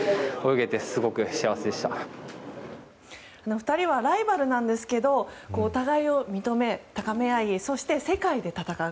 ２人はライバルなんですけどお互いを認め高め合いそして世界で戦う。